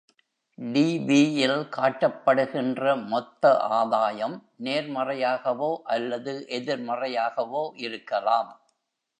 dB-ல் காட்டப்படுகின்ற மொத்த ஆதாயம் நேர்மறையாகவோ அல்லது எதிர்மறையாகவோ இருக்கலாம்.